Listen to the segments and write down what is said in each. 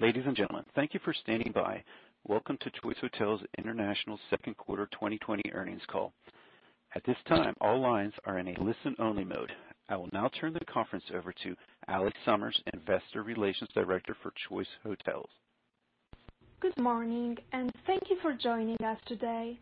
Ladies and gentlemen, thank you for standing by. Welcome to Choice Hotels International second quarter 2020 earnings call. At this time, all lines are in a listen-only mode. I will now turn the conference over to Allie Summers, Investor Relations Director for Choice Hotels. Good morning, and thank you for joining us today.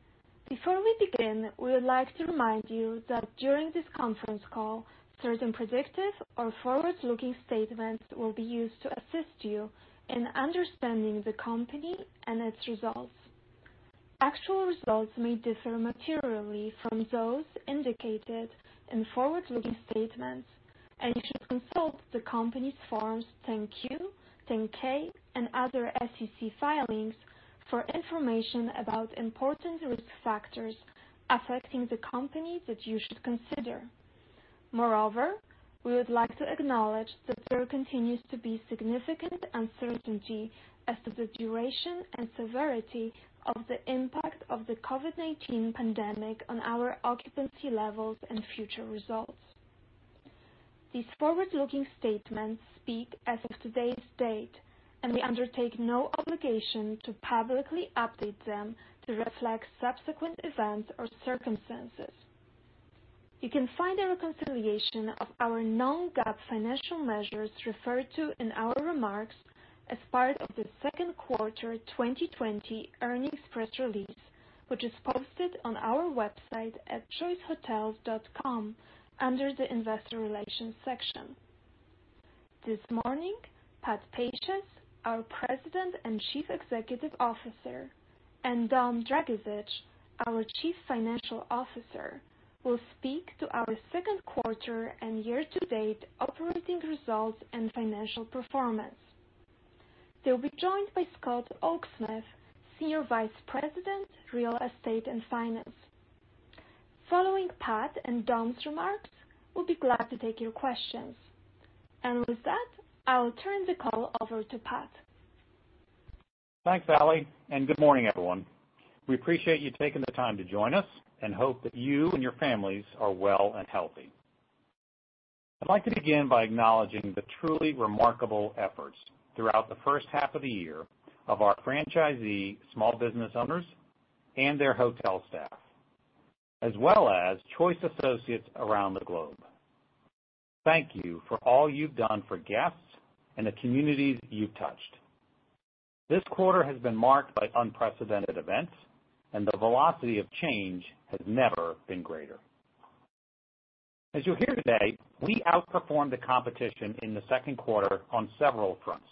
Before we begin, we would like to remind you that during this conference call, certain predictive or forward-looking statements will be used to assist you in understanding the company and its results. Actual results may differ materially from those indicated in forward-looking statements, and you should consult the company's Forms 10-Q, 10-K, and other SEC filings for information about important risk factors affecting the company that you should consider. Moreover, we would like to acknowledge that there continues to be significant uncertainty as to the duration and severity of the impact of the COVID-19 pandemic on our occupancy levels and future results. These forward-looking statements speak as of today's date, and we undertake no obligation to publicly update them to reflect subsequent events or circumstances. You can find a reconciliation of our non-GAAP financial measures referred to in our remarks as part of the second quarter 2020 earnings press release, which is posted on our website at choicehotels.com under the Investor Relations section. This morning, Patrick Pacious, our President and Chief Executive Officer, and Dominic Dragisich, our Chief Financial Officer, will speak to our second quarter and year-to-date operating results and financial performance. They'll be joined by Scott Oaksmith, Senior Vice President, Real Estate and Finance. Following Pat and Dom's remarks, we'll be glad to take your questions. With that, I'll turn the call over to Pat. Thanks, Allie, and good morning, everyone. We appreciate you taking the time to join us and hope that you and your families are well and healthy. I'd like to begin by acknowledging the truly remarkable efforts throughout the first half of the year of our franchisee, small business owners, and their hotel staff, as well as Choice associates around the globe. Thank you for all you've done for guests and the communities you've touched. This quarter has been marked by unprecedented events, and the velocity of change has never been greater. As you'll hear today, we outperformed the competition in the second quarter on several fronts.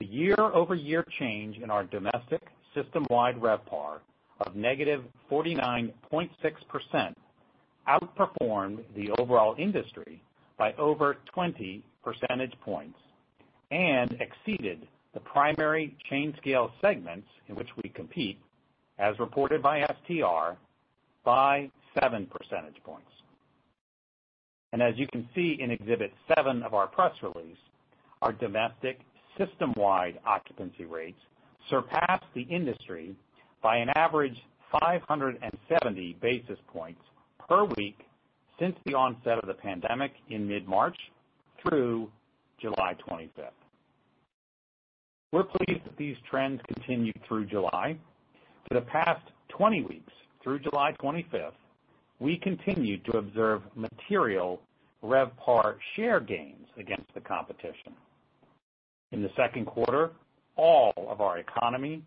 The year-over-year change in our domestic system-wide RevPAR of -49.6% outperformed the overall industry by over 20 percentage points and exceeded the primary chain scale segments in which we compete, as reported by STR, by 7 percentage points. As you can see in exhibit seven of our press release, our domestic system-wide occupancy rates surpassed the industry by an average 570 basis points per week since the onset of the pandemic in mid-March through July 25th We're pleased that these trends continued through July. For the past 20 weeks through July 25th, we continued to observe material RevPAR share gains against the competition. In the second quarter, all of our economy,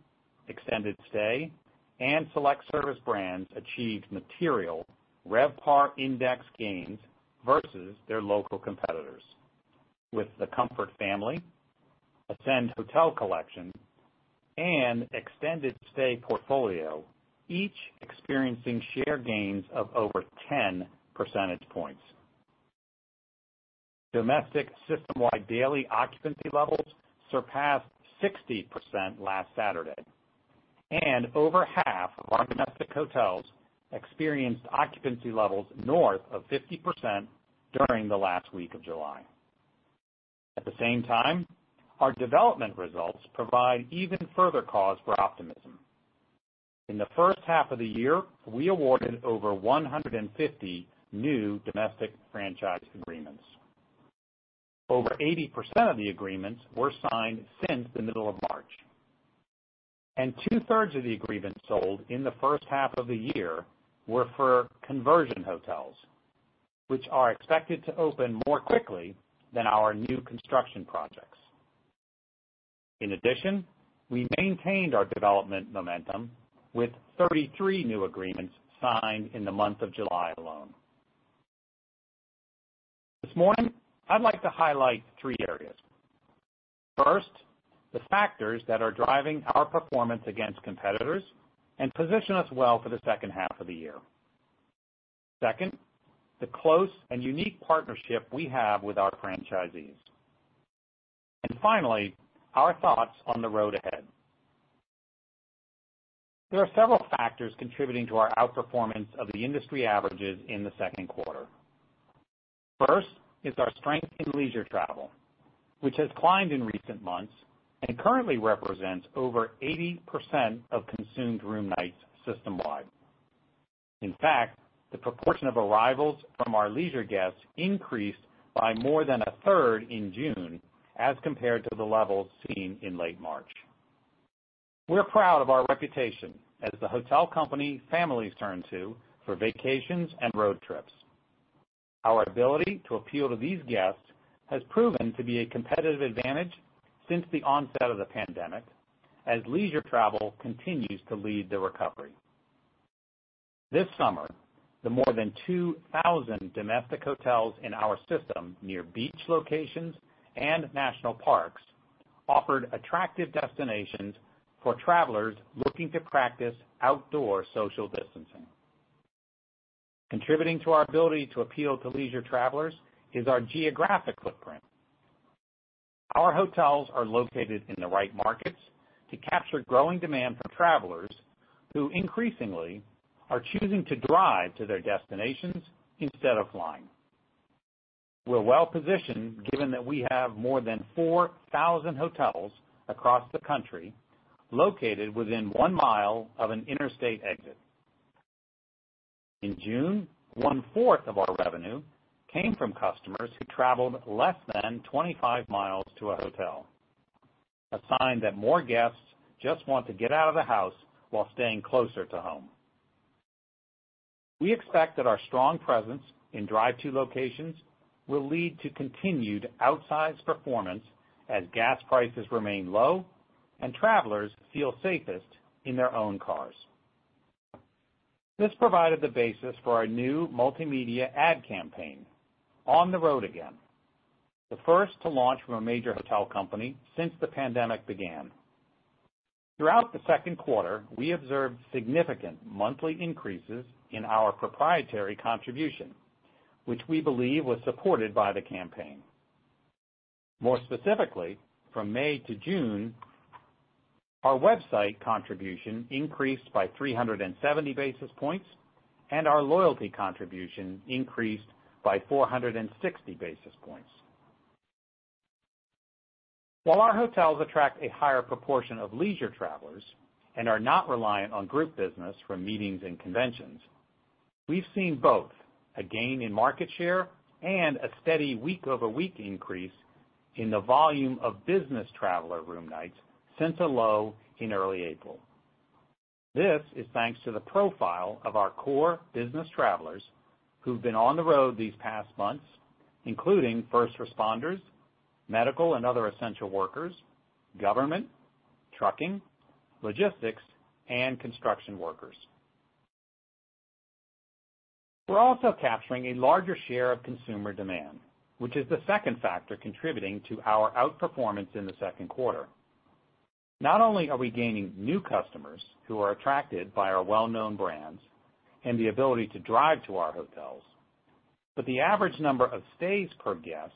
extended stay, and select service brands achieved material RevPAR index gains versus their local competitors. With the Comfort family, Ascend Hotel Collection, and extended stay portfolio, each experiencing share gains of over 10 percentage points. Domestic system-wide daily occupancy levels surpassed 60% last Saturday, and over half of our domestic hotels experienced occupancy levels north of 50% during the last week of July. At the same time, our development results provide even further cause for optimism. In the first half of the year, we awarded over 150 new domestic franchise agreements. Over 80% of the agreements were signed since the middle of March, and two-thirds of the agreements sold in the first half of the year were for conversion hotels, which are expected to open more quickly than our new construction projects. In addition, we maintained our development momentum with 33 new agreements signed in the month of July alone. This morning, I'd like to highlight three areas. First, the factors that are driving our performance against competitors and position us well for the second half of the year. Second, the close and unique partnership we have with our franchisees. And finally, our thoughts on the road ahead. There are several factors contributing to our outperformance of the industry averages in the second quarter. First is our strength in leisure travel... which has climbed in recent months and currently represents over 80% of consumed room nights system-wide. In fact, the proportion of arrivals from our leisure guests increased by more than a third in June as compared to the levels seen in late March. We're proud of our reputation as the hotel company families turn to for vacations and road trips. Our ability to appeal to these guests has proven to be a competitive advantage since the onset of the pandemic, as leisure travel continues to lead the recovery. This summer, the more than 2,000 domestic hotels in our system, near beach locations and national parks, offered attractive destinations for travelers looking to practice outdoor social distancing. Contributing to our ability to appeal to leisure travelers is our geographic footprint. Our hotels are located in the right markets to capture growing demand from travelers who increasingly are choosing to drive to their destinations instead of flying. We're well positioned, given that we have more than 4,000 hotels across the country located within one mile of an interstate exit. In June, 1/4 of our revenue came from customers who traveled less than 25 miles to a hotel, a sign that more guests just want to get out of the house while staying closer to home. We expect that our strong presence in drive to locations will lead to continued outsized performance as gas prices remain low and travelers feel safest in their own cars. This provided the basis for our new multimedia ad campaign, On the Road Again, the first to launch from a major hotel company since the pandemic began. Throughout the second quarter, we observed significant monthly increases in our proprietary contribution, which we believe was supported by the campaign. More specifically, from May to June, our website contribution increased by 370 basis points, and our loyalty contribution increased by 460 basis points. While our hotels attract a higher proportion of leisure travelers and are not reliant on group business from meetings and conventions, we've seen both a gain in market share and a steady week-over-week increase in the volume of business traveler room nights since a low in early April. This is thanks to the profile of our core business travelers who've been on the road these past months, including first responders, medical and other essential workers, government, trucking, logistics, and construction workers. We're also capturing a larger share of consumer demand, which is the second factor contributing to our outperformance in the second quarter. Not only are we gaining new customers who are attracted by our well-known brands and the ability to drive to our hotels, but the average number of stays per guest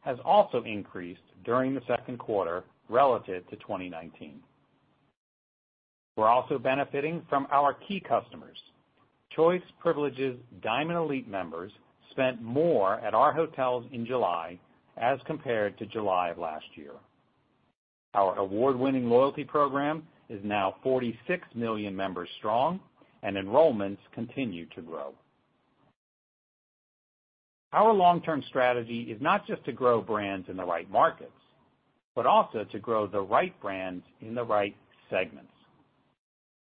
has also increased during the second quarter relative to 2019. We're also benefiting from our key customers. Choice Privileges Diamond Elite members spent more at our hotels in July as compared to July of last year. Our award-winning loyalty program is now 46 million members strong, and enrollments continue to grow. Our long-term strategy is not just to grow brands in the right markets, but also to grow the right brands in the right segments.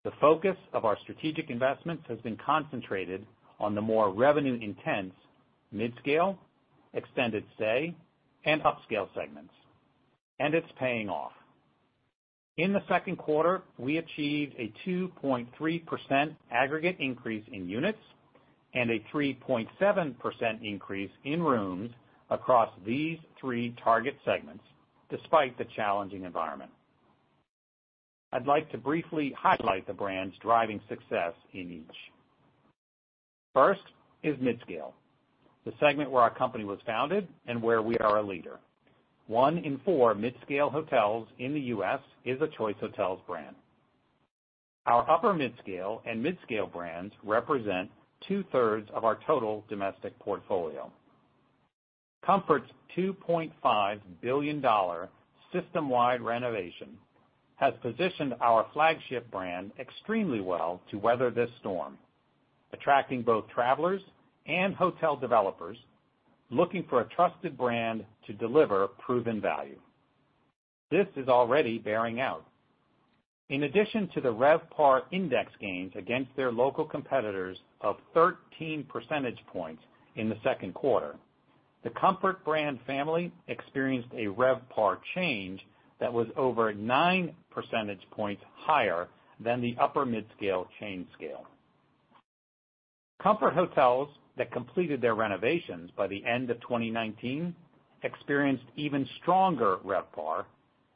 The focus of our strategic investments has been concentrated on the more revenue-intense midscale, extended stay, and upscale segments, and it's paying off. In the second quarter, we achieved a 2.3% aggregate increase in units and a 3.7% increase in rooms across these three target segments, despite the challenging environment. I'd like to briefly highlight the brands driving success in each. First is midscale, the segment where our company was founded and where we are a leader. One in four midscale hotels in the U.S. is a Choice Hotels brand. Our upper midscale and midscale brands represent two-thirds of our total domestic portfolio. Comfort's $2.5 billion system-wide renovation has positioned our flagship brand extremely well to weather this storm, attracting both travelers and hotel developers looking for a trusted brand to deliver proven value. This is already bearing out. In addition to the RevPAR index gains against their local competitors of 13 percentage points in the second quarter, the Comfort brand family experienced a RevPAR change that was over 9 percentage points higher than the upper midscale chain scale. Comfort Hotels that completed their renovations by the end of 2019 experienced even stronger RevPAR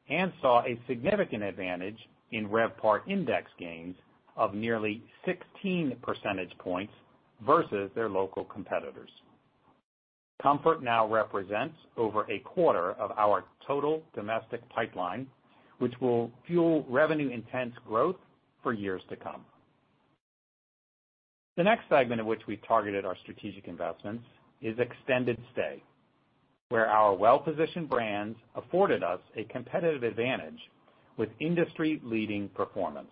and saw a significant advantage in RevPAR index gains of nearly 16 percentage points versus their local competitors. Comfort now represents over a quarter of our total domestic pipeline, which will fuel revenue-intense growth for years to come. The next segment in which we've targeted our strategic investments is extended stay, where our well-positioned brands afforded us a competitive advantage with industry-leading performance.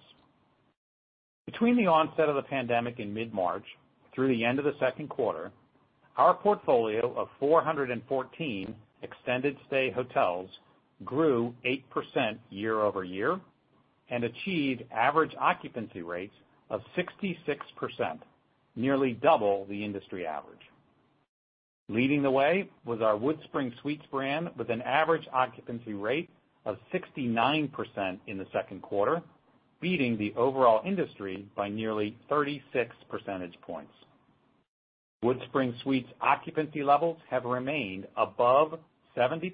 Between the onset of the pandemic in mid-March through the end of the second quarter, our portfolio of 414 extended stay hotels grew 8% year-over-year and achieved average occupancy rates of 66%, nearly double the industry average. Leading the way was our WoodSpring Suites brand, with an average occupancy rate of 69% in the second quarter, beating the overall industry by nearly 36 percentage points. WoodSpring Suites occupancy levels have remained above 70%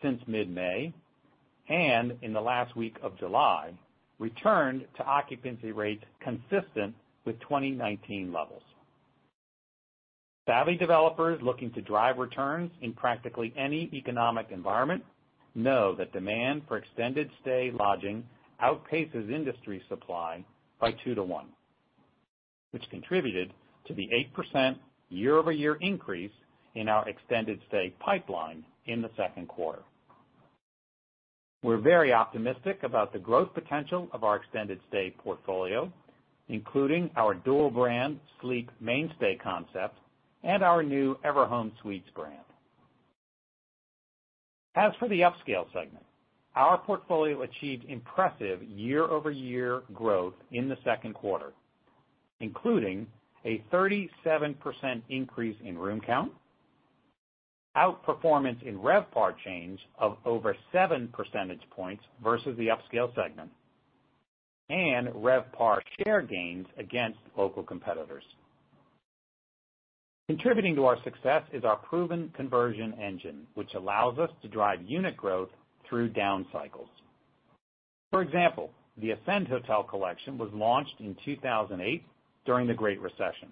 since mid-May, and in the last week of July, returned to occupancy rates consistent with 2019 levels. Savvy developers looking to drive returns in practically any economic environment know that demand for extended stay lodging outpaces industry supply by 2-to-1, which contributed to the 8% year-over-year increase in our extended stay pipeline in the second quarter. We're very optimistic about the growth potential of our extended stay portfolio, including our dual brand Sleep MainStay concept and our new Everhome Suites brand. As for the upscale segment, our portfolio achieved impressive year-over-year growth in the second quarter, including a 37% increase in room count, outperformance in RevPAR change of over 7 percentage points versus the upscale segment, and RevPAR share gains against local competitors. Contributing to our success is our proven conversion engine, which allows us to drive unit growth through down cycles. For example, the Ascend Hotel Collection was launched in 2008 during the Great Recession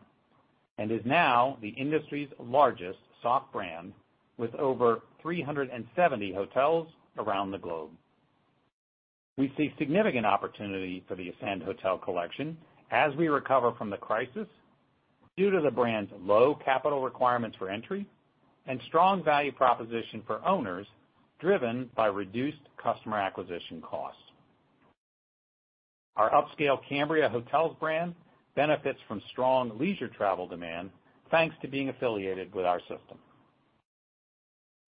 and is now the industry's largest soft brand, with over 370 hotels around the globe. We see significant opportunity for the Ascend Hotel Collection as we recover from the crisis due to the brand's low capital requirements for entry and strong value proposition for owners, driven by reduced customer acquisition costs. Our upscale Cambria Hotels brand benefits from strong leisure travel demand, thanks to being affiliated with our system.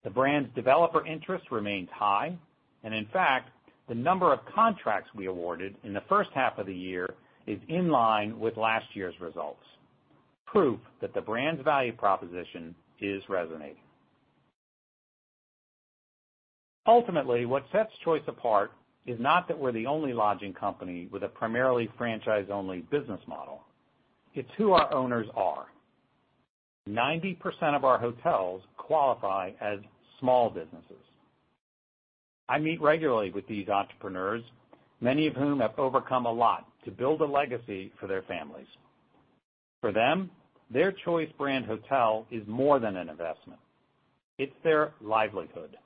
The brand's developer interest remains high, and in fact, the number of contracts we awarded in the first half of the year is in line with last year's results, proof that the brand's value proposition is resonating. Ultimately, what sets Choice apart is not that we're the only lodging company with a primarily franchise-only business model. It's who our owners are. 90% of our hotels qualify as small businesses. I meet regularly with these entrepreneurs, many of whom have overcome a lot to build a legacy for their families. For them, their Choice brand hotel is more than an investment, it's their livelihood.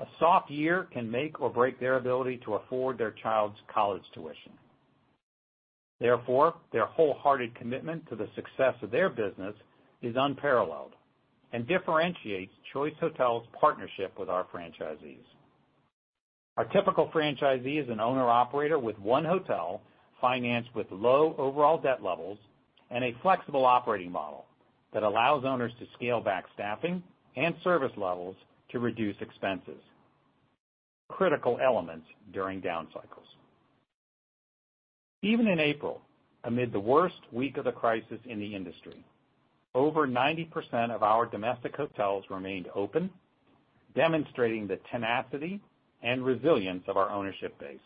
A soft year can make or break their ability to afford their child's college tuition. Therefore, their wholehearted commitment to the success of their business is unparalleled and differentiates Choice Hotels' partnership with our franchisees. Our typical franchisee is an owner-operator with one hotel, financed with low overall debt levels and a flexible operating model that allows owners to scale back staffing and service levels to reduce expenses, critical elements during down cycles. Even in April, amid the worst week of the crisis in the industry, over 90% of our domestic hotels remained open, demonstrating the tenacity and resilience of our ownership base.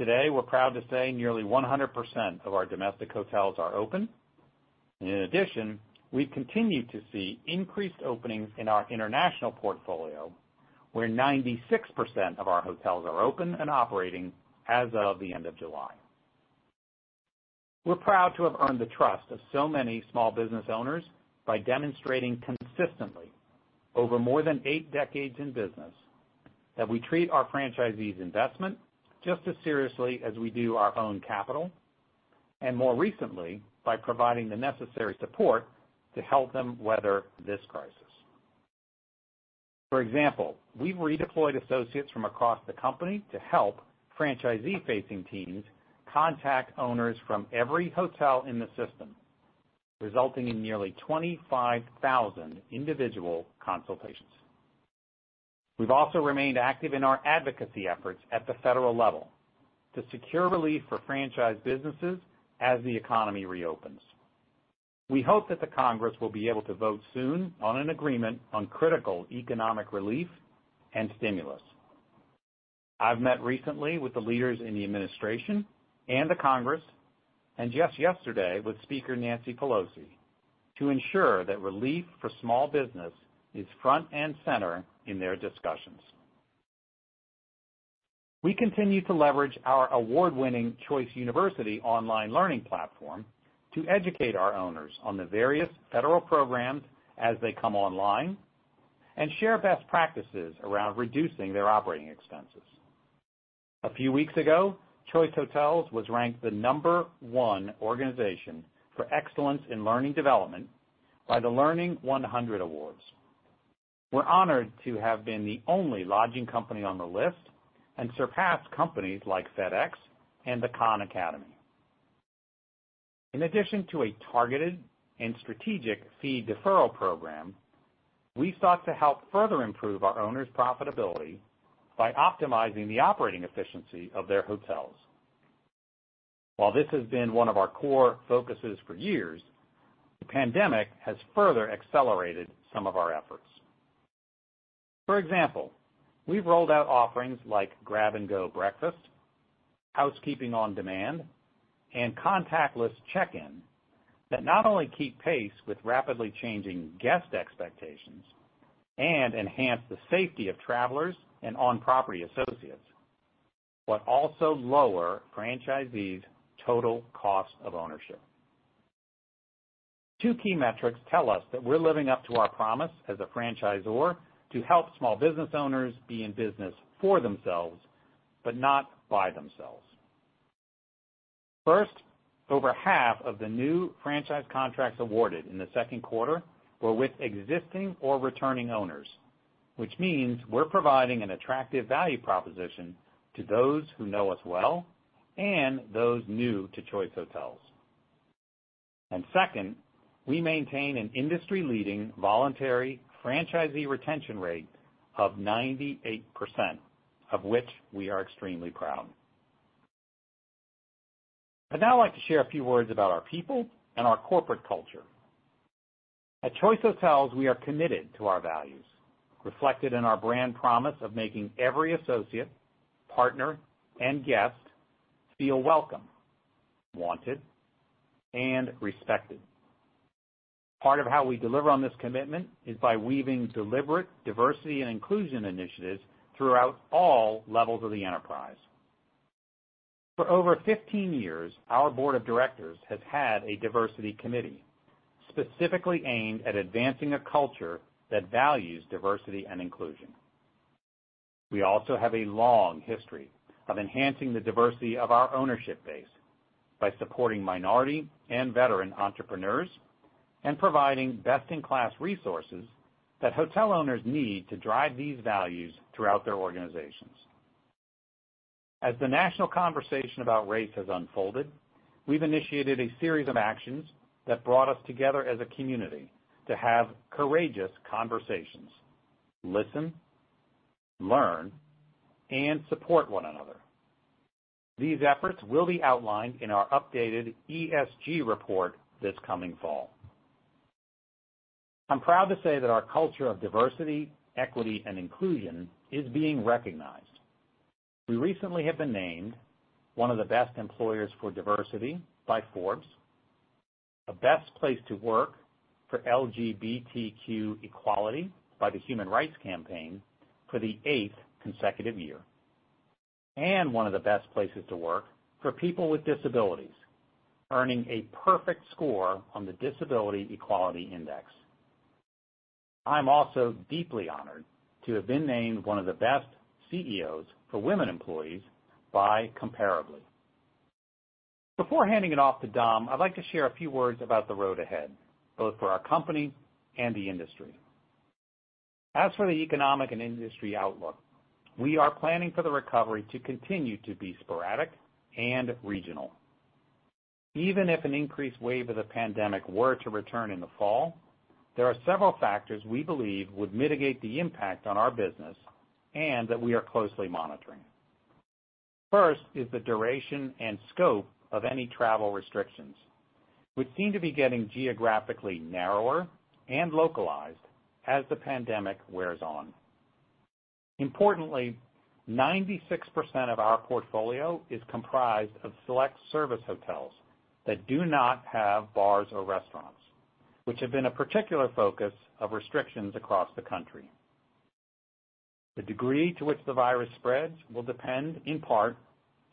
Today, we're proud to say nearly 100% of our domestic hotels are open. In addition, we continue to see increased openings in our international portfolio, where 96% of our hotels are open and operating as of the end of July. We're proud to have earned the trust of so many small business owners by demonstrating consistently, over more than eight decades in business, that we treat our franchisees' investment just as seriously as we do our own capital, and more recently, by providing the necessary support to help them weather this crisis. For example, we've redeployed associates from across the company to help franchisee-facing teams contact owners from every hotel in the system, resulting in nearly 25,000 individual consultations. We've also remained active in our advocacy efforts at the federal level to secure relief for franchise businesses as the economy reopens. We hope that the Congress will be able to vote soon on an agreement on critical economic relief and stimulus. I've met recently with the leaders in the administration and the Congress, and just yesterday with Speaker Nancy Pelosi, to ensure that relief for small business is front and center in their discussions. We continue to leverage our award-winning Choice University online learning platform to educate our owners on the various federal programs as they come online... and share best practices around reducing their operating expenses. A few weeks ago, Choice Hotels was ranked the number one organization for excellence in learning development by the Learning One Hundred Awards. We're honored to have been the only lodging company on the list, and surpassed companies like FedEx and the Khan Academy. In addition to a targeted and strategic fee deferral program, we sought to help further improve our owners' profitability by optimizing the operating efficiency of their hotels. While this has been one of our core focuses for years, the pandemic has further accelerated some of our efforts. For example, we've rolled out offerings like grab-and-go breakfast, housekeeping on demand, and contactless check-in, that not only keep pace with rapidly changing guest expectations and enhance the safety of travelers and on-property associates, but also lower franchisees' total cost of ownership. Two key metrics tell us that we're living up to our promise as a franchisor to help small business owners be in business for themselves, but not by themselves. First, over 1/2 of the new franchise contracts awarded in the second quarter were with existing or returning owners, which means we're providing an attractive value proposition to those who know us well and those new to Choice Hotels. And second, we maintain an industry-leading voluntary franchisee retention rate of 98%, of which we are extremely proud. I'd now like to share a few words about our people and our corporate culture. At Choice Hotels, we are committed to our values, reflected in our brand promise of making every associate, partner, and guest feel welcome, wanted, and respected. Part of how we deliver on this commitment is by weaving deliberate diversity and inclusion initiatives throughout all levels of the enterprise. For over 15 years, our board of directors has had a diversity committee specifically aimed at advancing a culture that values diversity and inclusion. We also have a long history of enhancing the diversity of our ownership base by supporting minority and veteran entrepreneurs, and providing best-in-class resources that hotel owners need to drive these values throughout their organizations. As the national conversation about race has unfolded, we've initiated a series of actions that brought us together as a community to have courageous conversations, listen, learn, and support one another. These efforts will be outlined in our updated ESG report this coming fall. I'm proud to say that our culture of diversity, equity, and inclusion is being recognized. We recently have been named one of the best employers for diversity by Forbes, a best place to work for LGBTQ equality by the Human Rights Campaign for the eighth consecutive year, and one of the best places to work for people with disabilities, earning a perfect score on the Disability Equality Index. I'm also deeply honored to have been named one of the best CEOs for women employees by Comparably. Before handing it off to Dom, I'd like to share a few words about the road ahead, both for our company and the industry. As for the economic and industry outlook, we are planning for the recovery to continue to be sporadic and regional. Even if an increased wave of the pandemic were to return in the fall, there are several factors we believe would mitigate the impact on our business and that we are closely monitoring. First is the duration and scope of any travel restrictions, which seem to be getting geographically narrower and localized as the pandemic wears on. Importantly, 96% of our portfolio is comprised of select service hotels that do not have bars or restaurants, which have been a particular focus of restrictions across the country. The degree to which the virus spreads will depend in part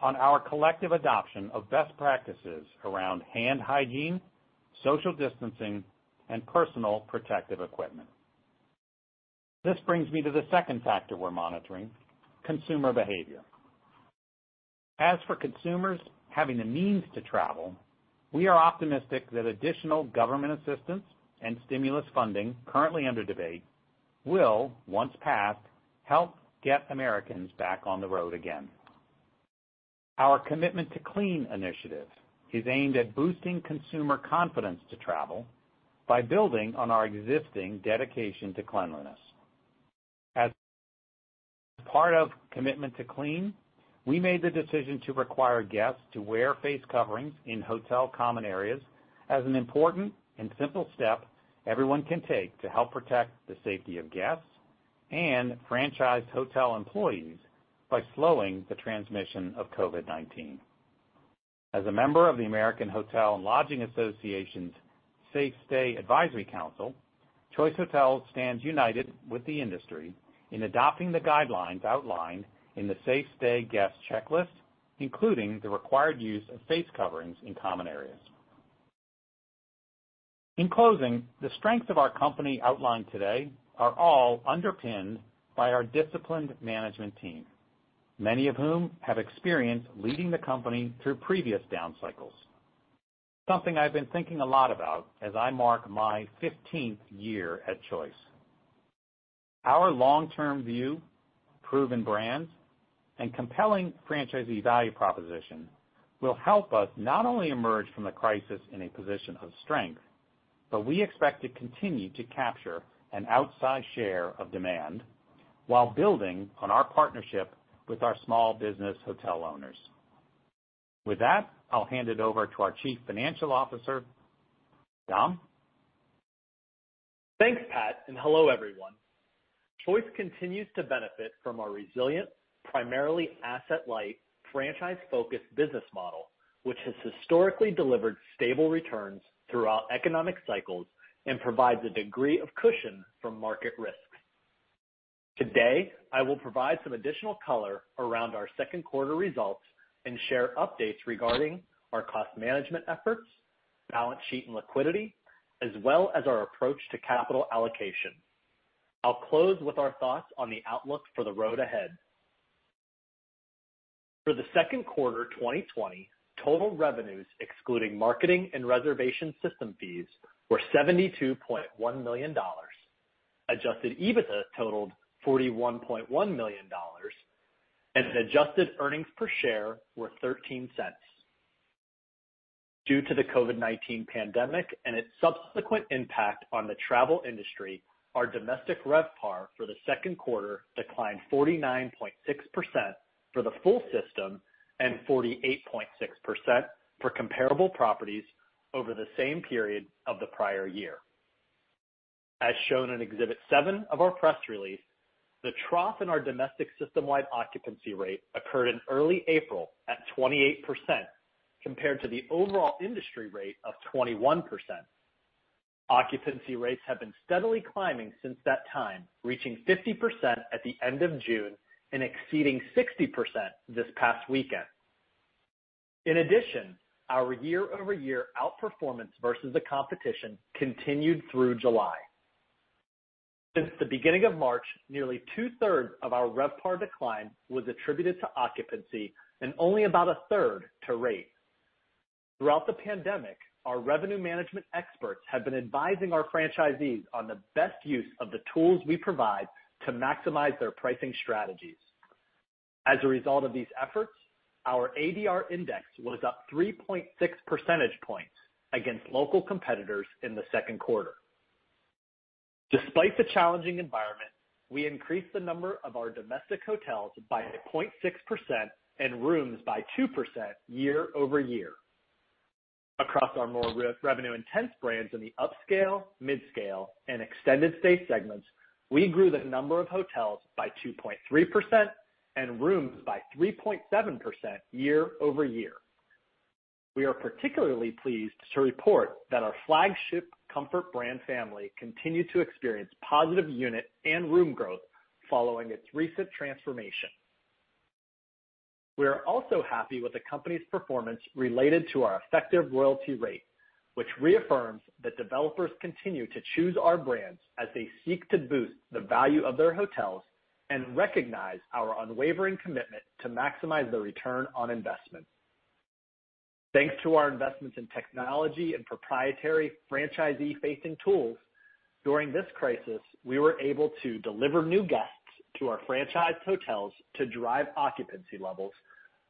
on our collective adoption of best practices around hand hygiene, social distancing, and personal protective equipment. This brings me to the second factor we're monitoring: consumer behavior. As for consumers having the means to travel, we are optimistic that additional government assistance and stimulus funding currently under debate will, once passed, help get Americans back on the road again. Our Commitment to Clean initiative is aimed at boosting consumer confidence to travel by building on our existing dedication to cleanliness. As part of Commitment to Clean, we made the decision to require guests to wear face coverings in hotel common areas as an important and simple step everyone can take to help protect the safety of guests and franchised hotel employees by slowing the transmission of COVID-19. As a member of the American Hotel and Lodging Association's Safe Stay Advisory Council, Choice Hotels stands united with the industry in adopting the guidelines outlined in the Safe Stay guest checklist, including the required use of face coverings in common areas. In closing, the strength of our company outlined today are all underpinned by our disciplined management team, many of whom have experience leading the company through previous down cycles. Something I've been thinking a lot about as I mark my fifteenth year at Choice. Our long-term view, proven brands, and compelling franchisee value proposition will help us not only emerge from the crisis in a position of strength, but we expect to continue to capture an outsized share of demand while building on our partnership with our small business hotel owners. With that, I'll hand it over to our Chief Financial Officer, Dom. Thanks, Pat, and hello, everyone. Choice continues to benefit from our resilient, primarily asset-light, franchise-focused business model, which has historically delivered stable returns throughout economic cycles and provides a degree of cushion from market risks. Today, I will provide some additional color around our second quarter results and share updates regarding our cost management efforts, balance sheet, and liquidity, as well as our approach to capital allocation. I'll close with our thoughts on the outlook for the road ahead. For the second quarter, 2020, total revenues, excluding marketing and reservation system fees, were $72.1 million. Adjusted EBITDA totaled $41.1 million, and adjusted earnings per share were $0.13. Due to the COVID-19 pandemic and its subsequent impact on the travel industry, our domestic RevPAR for the second quarter declined 49.6% for the full system and 48.6% for comparable properties over the same period of the prior year. As shown in exhibit seven of our press release, the trough in our domestic systemwide occupancy rate occurred in early April at 28%, compared to the overall industry rate of 21%. Occupancy rates have been steadily climbing since that time, reaching 50% at the end of June and exceeding 60% this past weekend. In addition, our year-over-year outperformance versus the competition continued through July. Since the beginning of March, nearly two-thirds of our RevPAR decline was attributed to occupancy and only about a third to rate. Throughout the pandemic, our revenue management experts have been advising our franchisees on the best use of the tools we provide to maximize their pricing strategies. As a result of these efforts, our ADR index was up 3.6 percentage points against local competitors in the second quarter. Despite the challenging environment, we increased the number of our domestic hotels by 0.6% and rooms by 2% year-over-year. Across our more risk revenue-intense brands in the upscale, midscale, and extended stay segments, we grew the number of hotels by 2.3% and rooms by 3.7% year-over-year. We are particularly pleased to report that our flagship Comfort brand family continued to experience positive unit and room growth following its recent transformation. We are also happy with the company's performance related to our Effective Royalty Rate, which reaffirms that developers continue to choose our brands as they seek to boost the value of their hotels and recognize our unwavering commitment to maximize the return on investment. Thanks to our investments in technology and proprietary franchisee-facing tools, during this crisis, we were able to deliver new guests to our franchise hotels to drive occupancy levels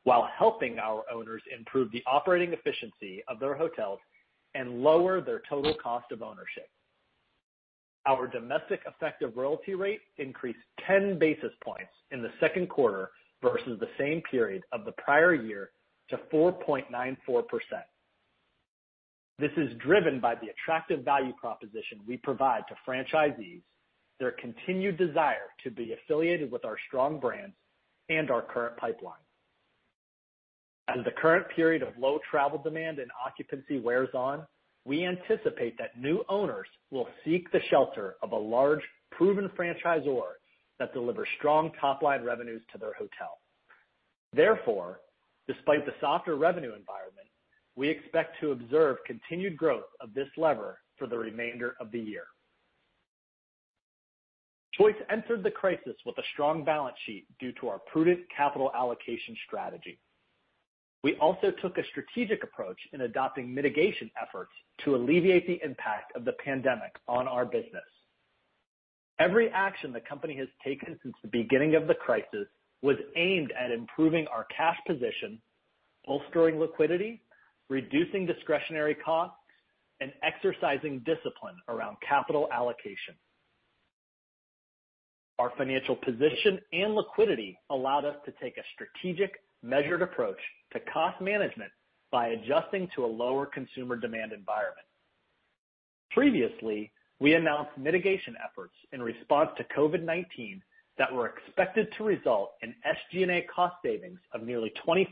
while helping our owners improve the operating efficiency of their hotels and lower their total cost of ownership. Our domestic Effective Royalty Rate increased 10 basis points in the second quarter versus the same period of the prior year to 4.94%. This is driven by the attractive value proposition we provide to franchisees, their continued desire to be affiliated with our strong brands, and our current pipeline. As the current period of low travel demand and occupancy wears on, we anticipate that new owners will seek the shelter of a large, proven franchisor that delivers strong top-line revenues to their hotel. Therefore, despite the softer revenue environment, we expect to observe continued growth of this lever for the remainder of the year. Choice entered the crisis with a strong balance sheet due to our prudent capital allocation strategy. We also took a strategic approach in adopting mitigation efforts to alleviate the impact of the pandemic on our business. Every action the company has taken since the beginning of the crisis was aimed at improving our cash position, bolstering liquidity, reducing discretionary costs, and exercising discipline around capital allocation. Our financial position and liquidity allowed us to take a strategic, measured approach to cost management by adjusting to a lower consumer demand environment. Previously, we announced mitigation efforts in response to COVID-19 that were expected to result in SG&A cost savings of nearly 25%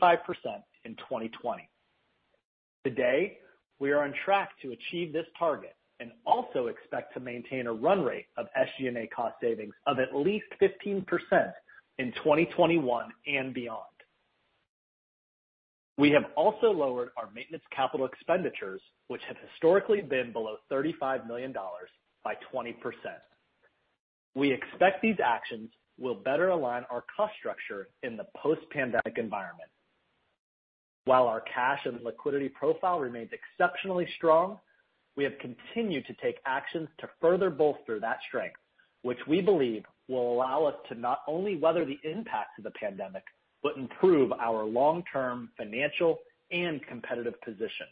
in 2020. Today, we are on track to achieve this target and also expect to maintain a run rate of SG&A cost savings of at least 15% in 2021 and beyond... We have also lowered our maintenance capital expenditures, which have historically been below $35 million, by 20%. We expect these actions will better align our cost structure in the post-pandemic environment. While our cash and liquidity profile remains exceptionally strong, we have continued to take actions to further bolster that strength, which we believe will allow us to not only weather the impacts of the pandemic, but improve our long-term financial and competitive position.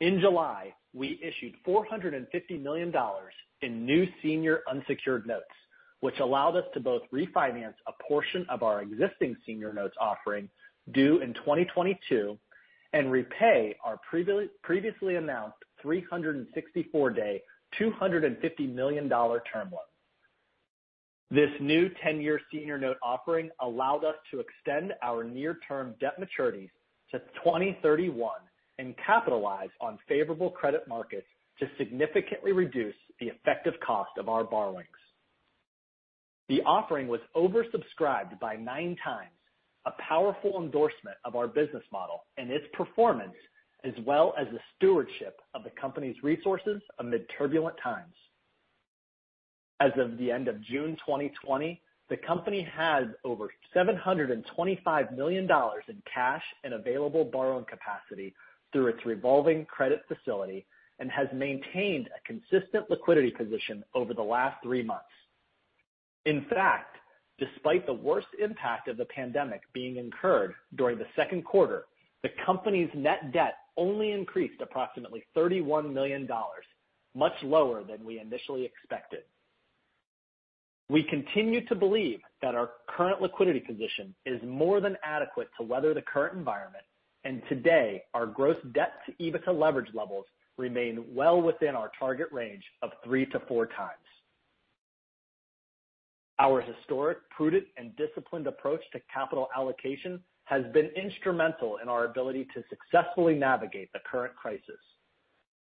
In July, we issued $450 million in new senior unsecured notes, which allowed us to both refinance a portion of our existing senior notes offering due in 2022, and repay our previously announced 364-day, $250 million term loan. This new 10-year senior note offering allowed us to extend our near-term debt maturities to 2031 and capitalize on favorable credit markets to significantly reduce the effective cost of our borrowings. The offering was oversubscribed by 9x, a powerful endorsement of our business model and its performance, as well as the stewardship of the company's resources amid turbulent times. As of the end of June 2020, the company has over $725 million in cash and available borrowing capacity through its revolving credit facility, and has maintained a consistent liquidity position over the last three months. In fact, despite the worst impact of the pandemic being incurred during the second quarter, the company's net debt only increased approximately $31 million, much lower than we initially expected. We continue to believe that our current liquidity position is more than adequate to weather the current environment, and today, our gross debt to EBITDA leverage levels remain well within our target range of 3x-4x. Our historic, prudent, and disciplined approach to capital allocation has been instrumental in our ability to successfully navigate the current crisis.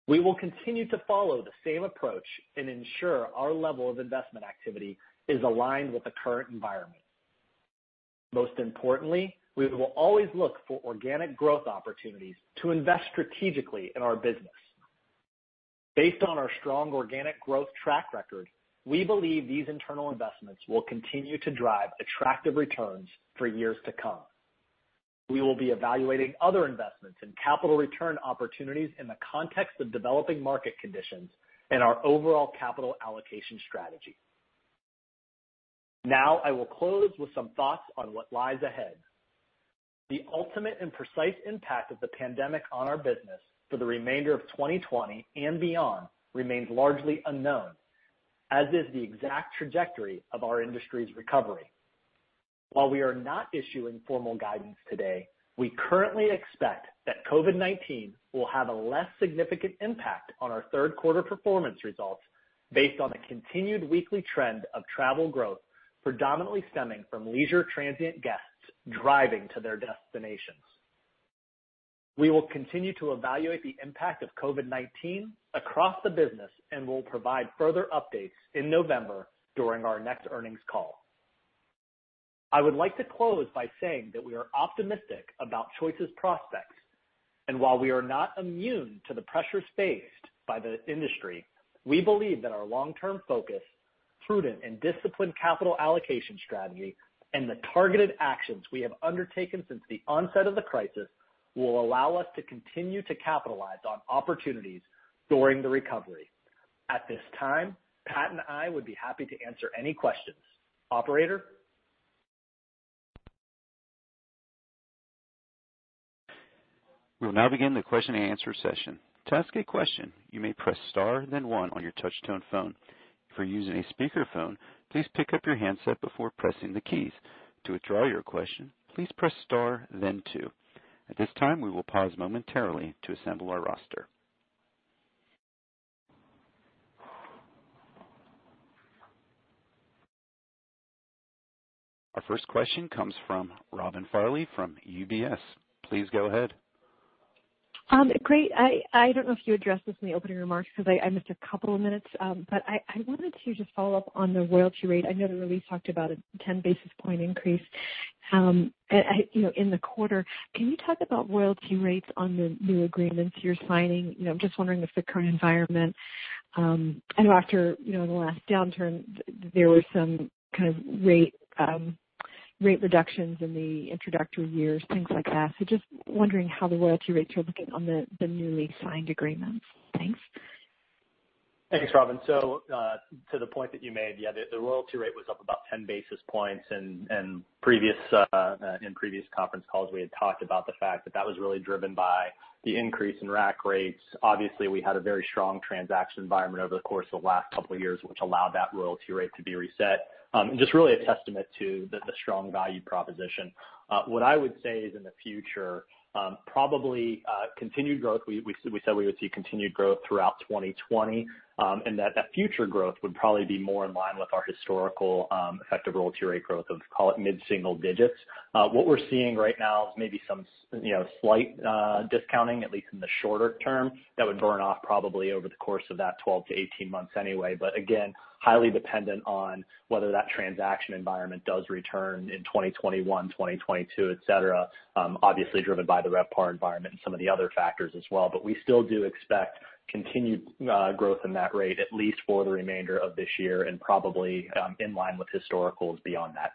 We will continue to follow the same approach and ensure our level of investment activity is aligned with the current environment. Most importantly, we will always look for organic growth opportunities to invest strategically in our business. Based on our strong organic growth track record, we believe these internal investments will continue to drive attractive returns for years to come. We will be evaluating other investments and capital return opportunities in the context of developing market conditions and our overall capital allocation strategy. Now, I will close with some thoughts on what lies ahead. The ultimate and precise impact of the pandemic on our business for the remainder of 2020 and beyond remains largely unknown, as is the exact trajectory of our industry's recovery. While we are not issuing formal guidance today, we currently expect that COVID-19 will have a less significant impact on our third quarter performance results based on the continued weekly trend of travel growth, predominantly stemming from leisure transient guests driving to their destinations. We will continue to evaluate the impact of COVID-19 across the business and will provide further updates in November during our next earnings call. I would like to close by saying that we are optimistic about Choice's prospects, and while we are not immune to the pressures faced by the industry, we believe that our long-term focus, prudent and disciplined capital allocation strategy, and the targeted actions we have undertaken since the onset of the crisis, will allow us to continue to capitalize on opportunities during the recovery. At this time, Pat and I would be happy to answer any questions. Operator? We will now begin the question-and-answer session. To ask a question, you may press star then one on your touchtone phone. If you're using a speakerphone, please pick up your handset before pressing the keys. To withdraw your question, please press star then two. At this time, we will pause momentarily to assemble our roster. Our first question comes from Robin Farley from UBS. Please go ahead. Great. I don't know if you addressed this in the opening remarks because I missed a couple of minutes. But I wanted to just follow up on the royalty rate. I know the release talked about a 10 basis point increase, you know, in the quarter. Can you talk about royalty rates on the new agreements you're signing? You know, I'm just wondering if the current environment, I know after, you know, the last downturn, there were some kind of rate reductions in the introductory years, things like that. So just wondering how the royalty rates are looking on the newly signed agreements. Thanks. Thanks, Robin. So, to the point that you made, yeah, the royalty rate was up about 10 basis points, and in previous conference calls, we had talked about the fact that that was really driven by the increase in rack rates. Obviously, we had a very strong transaction environment over the course of the last couple of years, which allowed that royalty rate to be reset. Just really a testament to the strong value proposition. What I would say is in the future, probably continued growth. We said we would see continued growth throughout 2020, and that future growth would probably be more in line with our historical effective royalty rate growth of, call it, mid-single digits. What we're seeing right now is maybe some, you know, slight discounting, at least in the shorter term, that would burn off probably over the course of that 12-18 months anyway. But again, highly dependent on whether that transaction environment does return in 2021, 2022, et cetera, obviously driven by the RevPAR environment and some of the other factors as well. But we still do expect continued growth in that rate, at least for the remainder of this year and probably in line with historicals beyond that....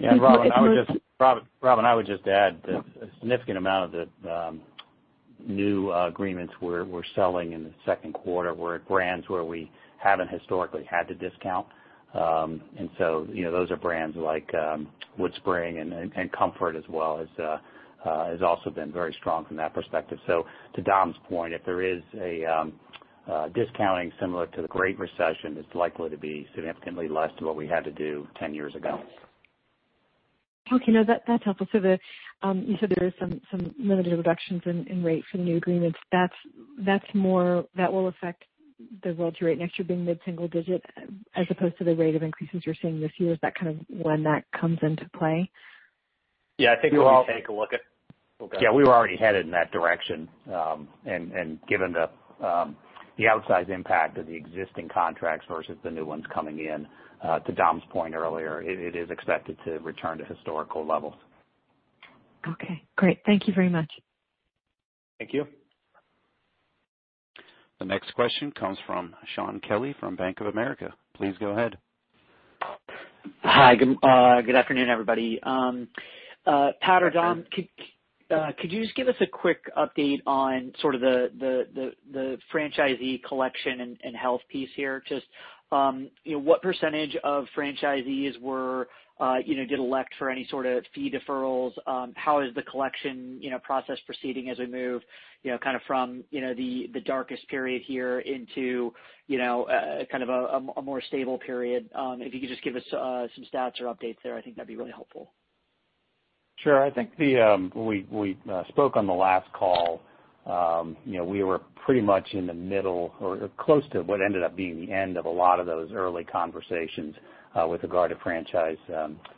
Yeah, Robin, I would just add that a significant amount of the new agreements we're selling in the second quarter were at brands where we haven't historically had to discount. And so, you know, those are brands like WoodSpring and Comfort as well, has also been very strong from that perspective. So to Dom's point, if there is a discounting similar to the Great Recession, it's likely to be significantly less than what we had to do 10 years ago. Okay. No, that, that's helpful. So, you said there is some limited reductions in rate for the new agreements. That's more... That will affect the growth rate next year being mid-single digit, as opposed to the rate of increases you're seeing this year. Is that kind of when that comes into play? Yeah, I think we'll take a look at- Yeah, we were already headed in that direction. And given the outsized impact of the existing contracts versus the new ones coming in, to Dom's point earlier, it is expected to return to historical levels. Okay, great. Thank you very much. Thank you. The next question comes from Shaun Kelley from Bank of America. Please go ahead. Hi, good afternoon, everybody. Pat or Dom, could you just give us a quick update on sort of the franchisee collection and health piece here? Just, you know, what percentage of franchisees were, you know, did elect for any sort of fee deferrals? How is the collection, you know, process proceeding as we move, you know, kind of from, you know, the darkest period here into, you know, kind of a more stable period? If you could just give us some stats or updates there, I think that'd be really helpful. Sure. I think we spoke on the last call. You know, we were pretty much in the middle or close to what ended up being the end of a lot of those early conversations with regard to franchise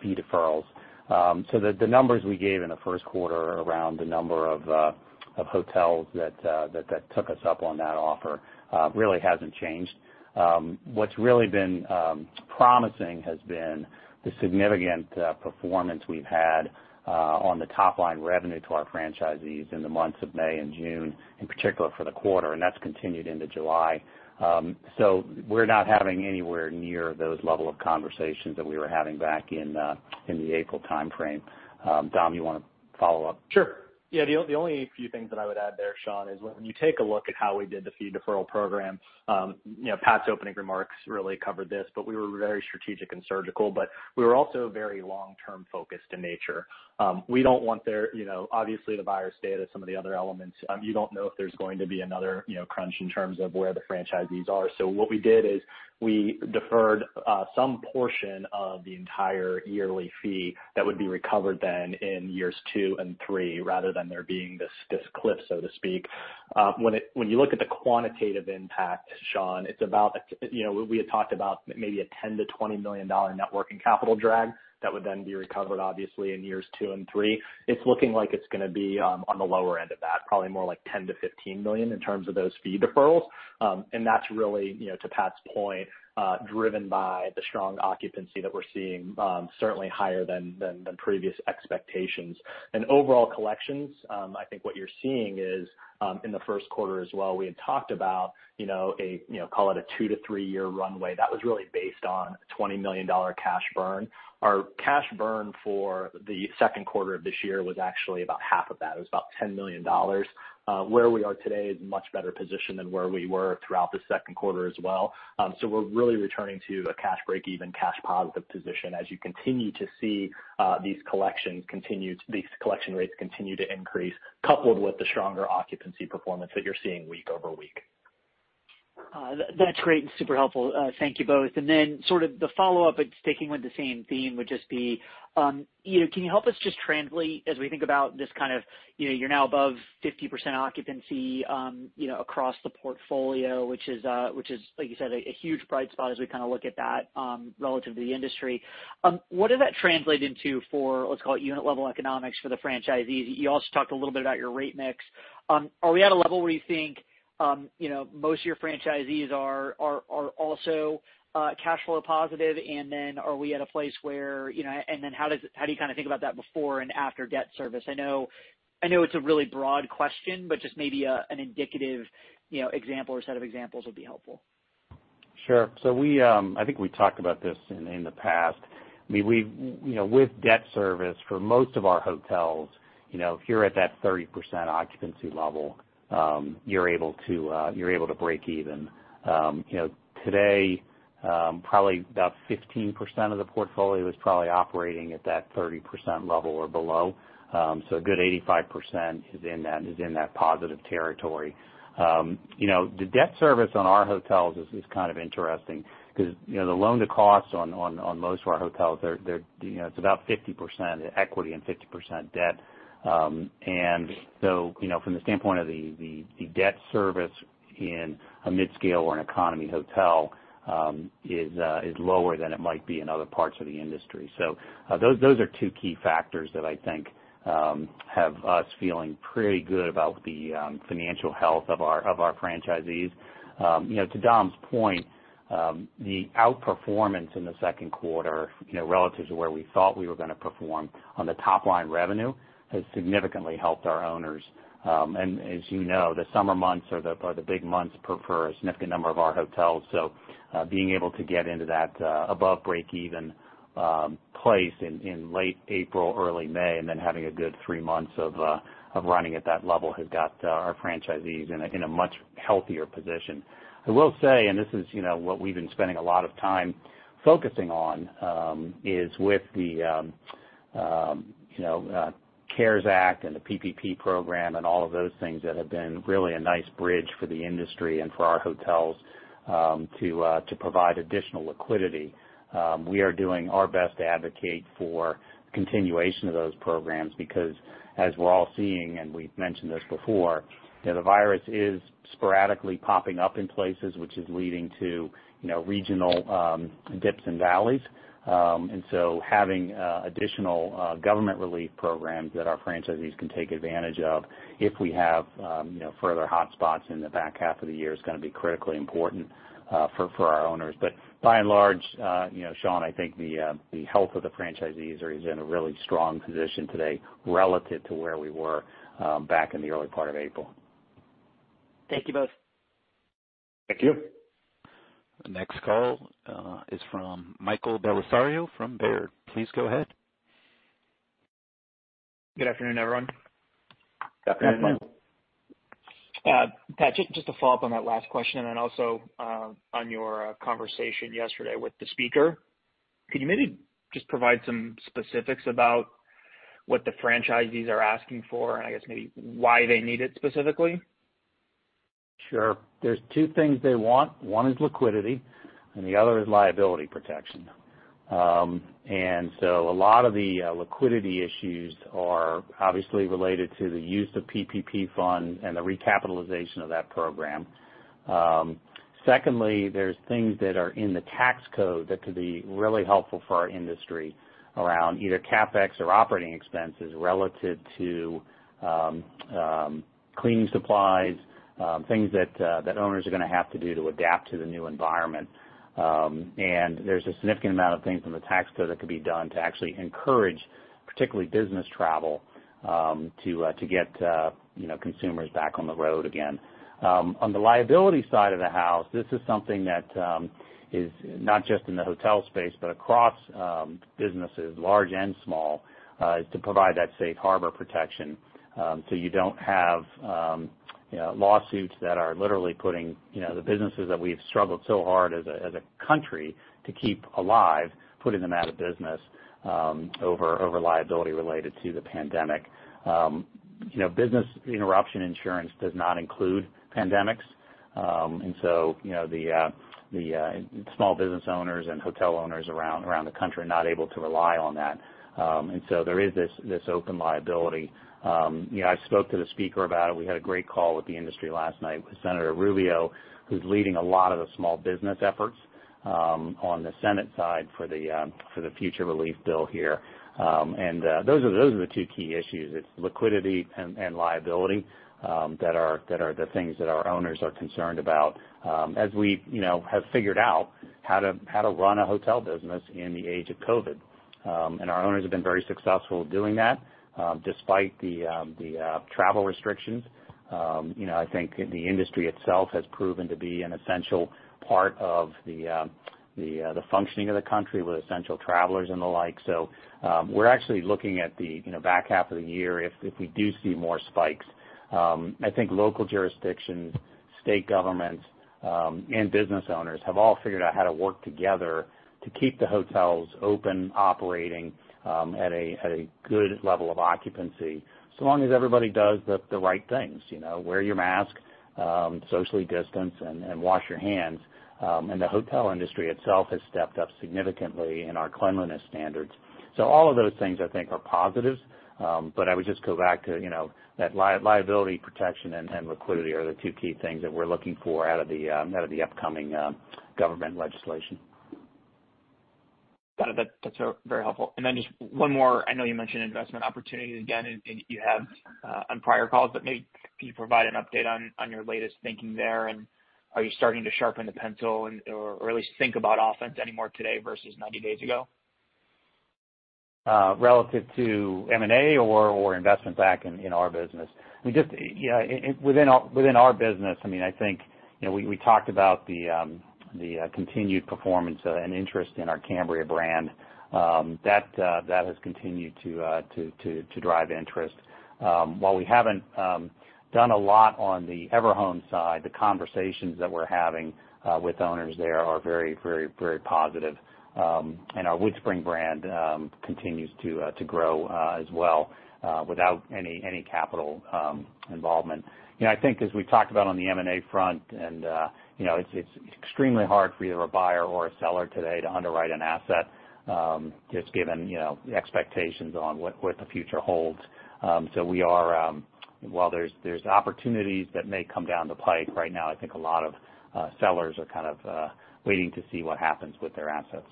fee deferrals. So the numbers we gave in the first quarter around the number of hotels that took us up on that offer really hasn't changed. What's really been promising has been the significant performance we've had on the top line revenue to our franchisees in the months of May and June, in particular for the quarter, and that's continued into July. So we're not having anywhere near those level of conversations that we were having back in in the April timeframe. Dom, you wanna follow up? Sure. Yeah, the only few things that I would add there, Shaun, is when you take a look at how we did the fee deferral program, you know, Pat's opening remarks really covered this, but we were very strategic and surgical, but we were also very long-term focused in nature. We don't want there... You know, obviously the buyer stay to some of the other elements. You don't know if there's going to be another, you know, crunch in terms of where the franchisees are. So what we did is we deferred some portion of the entire yearly fee that would be recovered then in years two and three, rather than there being this, this cliff, so to speak. When you look at the quantitative impact, Shaun, it's about, you know, we had talked about maybe a $10 million-$20 million net working capital drag that would then be recovered obviously in years two and three. It's looking like it's gonna be on the lower end of that, probably more like $10 million-$15 million in terms of those fee deferrals. And that's really, you know, to Pat's point, driven by the strong occupancy that we're seeing, certainly higher than previous expectations. And overall collections, I think what you're seeing is, in the first quarter as well, we had talked about, you know, call it a two to three-year runway. That was really based on $20 million cash burn. Our cash burn for the second quarter of this year was actually about 1/2 of that. It was about $10 million. Where we are today is much better position than where we were throughout the second quarter as well. So we're really returning to a cash breakeven, cash positive position as you continue to see, these collections continue, these collection rates continue to increase, coupled with the stronger occupancy performance that you're seeing week over week. That's great and super helpful. Thank you both. And then sort of the follow-up, but sticking with the same theme, would just be, you know, can you help us just translate as we think about this kind of, you know, you're now above 50% occupancy, you know, across the portfolio, which is, which is, like you said, a huge bright spot as we kind of look at that, relative to the industry. What does that translate into for, let's call it unit level economics for the franchisees? You also talked a little bit about your rate mix. Are we at a level where you think, you know, most of your franchisees are also cash flow positive? And then are we at a place where, you know... And then how does, how do you kind of think about that before and after debt service? I know, I know it's a really broad question, but just maybe a, an indicative, you know, example or set of examples would be helpful. Sure. So we, I think we talked about this in the past. I mean, we, you know, with debt service for most of our hotels, you know, if you're at that 30% occupancy level, you're able to break even. You know, today, probably about 15% of the portfolio is probably operating at that 30% level or below. So a good 85% is in that positive territory. You know, the debt service on our hotels is kind of interesting because, you know, the loan to costs on most of our hotels, they're, you know, it's about 50% equity and 50% debt. And so, you know, from the standpoint of the debt service in a midscale or an economy hotel, is lower than it might be in other parts of the industry. So, those are two key factors that I think have us feeling pretty good about the financial health of our franchisees. You know, to Dom's point. The outperformance in the second quarter, you know, relative to where we thought we were gonna perform on the top line revenue, has significantly helped our owners. And as you know, the summer months are the big months particularly for a significant number of our hotels. So, being able to get into that above break even place in late April, early May, and then having a good three months of running at that level, have got our franchisees in a much healthier position. I will say, and this is, you know, what we've been spending a lot of time focusing on, is with the CARES Act and the PPP program and all of those things that have been really a nice bridge for the industry and for our hotels, to provide additional liquidity. We are doing our best to advocate for continuation of those programs, because as we're all seeing, and we've mentioned this before, that the virus is sporadically popping up in places, which is leading to, you know, regional dips and valleys. Having additional government relief programs that our franchisees can take advantage of if we have, you know, further hotspots in the back half of the year is gonna be critically important for our owners. But by and large, you know, Shaun, I think the health of the franchisees is in a really strong position today relative to where we were back in the early part of April. Thank you both. Thank you. The next call is from Michael Bellisario from Baird. Please go ahead. Good afternoon, everyone. Good afternoon. Good afternoon. Patrick, just to follow up on that last question, and then also, on your, conversation yesterday with the speaker, could you maybe just provide some specifics about what the franchisees are asking for, and I guess maybe why they need it specifically? Sure. There's two things they want. One is liquidity, and the other is liability protection. And so a lot of the liquidity issues are obviously related to the use of PPP funds and the recapitalization of that program. Secondly, there's things that are in the tax code that could be really helpful for our industry around either CapEx or operating expenses relative to cleaning supplies, things that owners are gonna have to do to adapt to the new environment. And there's a significant amount of things in the tax code that could be done to actually encourage, particularly business travel, to get, you know, consumers back on the road again. On the liability side of the house, this is something that is not just in the hotel space, but across businesses, large and small, is to provide that safe harbor protection, so you don't have, you know, lawsuits that are literally putting, you know, the businesses that we've struggled so hard as a, as a country to keep alive, putting them out of business, over liability related to the pandemic. You know, business interruption insurance does not include pandemics. And so, you know, the small business owners and hotel owners around the country are not able to rely on that. And so there is this open liability. You know, I've spoke to the speaker about it. We had a great call with the industry last night with Senator Rubio, who's leading a lot of the small business efforts on the Senate side for the future relief bill here. Those are the two key issues. It's liquidity and liability that are the things that our owners are concerned about as we, you know, have figured out how to run a hotel business in the age of COVID. Our owners have been very successful doing that despite the travel restrictions. You know, I think the industry itself has proven to be an essential part of the functioning of the country with essential travelers and the like. So, we're actually looking at the, you know, back half of the year if we do see more spikes. I think local jurisdictions, state governments, and business owners have all figured out how to work together to keep the hotels open, operating, at a good level of occupancy, so long as everybody does the right things, you know? Wear your mask, socially distance, and wash your hands. And the hotel industry itself has stepped up significantly in our cleanliness standards. So all of those things I think are positives. But I would just go back to, you know, that liability protection and liquidity are the two key things that we're looking for out of the upcoming government legislation. Got it. That, that's very helpful. And then just one more. I know you mentioned investment opportunities again, and you have on prior calls, but maybe can you provide an update on your latest thinking there? And are you starting to sharpen the pencil and, or at least think about offense any more today versus 90 days ago? Relative to M&A or investment back in our business? I mean, just, yeah, within our business, I mean, I think, you know, we talked about the continued performance and interest in our Cambria brand. That has continued to drive interest. While we haven't done a lot on the Everhome side, the conversations that we're having with owners there are very, very, very positive. And our WoodSpring brand continues to grow as well without any capital involvement. You know, I think as we talked about on the M&A front, and, you know, it's extremely hard for either a buyer or a seller today to underwrite an asset, just given, you know, the expectations on what the future holds. So we are, while there's opportunities that may come down the pike, right now, I think a lot of sellers are kind of waiting to see what happens with their assets....